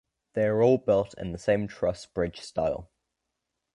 They are all built in the same truss bridge style.